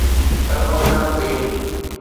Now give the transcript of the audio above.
Clipperton ٻيٽ